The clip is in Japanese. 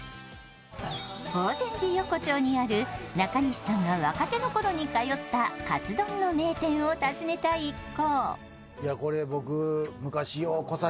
法善寺横丁にある中西さんが若手のころに通ったかつ丼の名店を訪ねた一行。